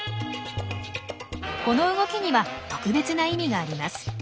この動きには特別な意味があります。